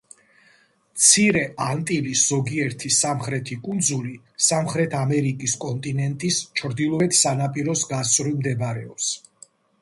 მცირე ანტილის ზოგიერთი სამხრეთი კუნძული, სამხრეთ ამერიკის კონტინენტის ჩრდილოეთ სანაპიროს გასწვრივ მდებარეობს.